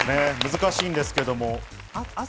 難しいんですけど。